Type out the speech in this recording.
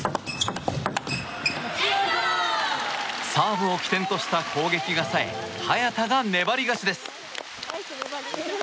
サーブを起点とした攻撃がさえ早田が粘り勝ちです。